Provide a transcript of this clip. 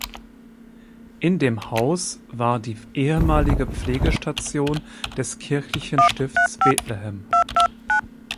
In dem Haus war die ehemalige Pflegestation des kirchlichen Stifts Bethlehem.